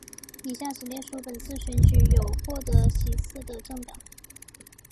以下只列出本次选举有获得席次的政党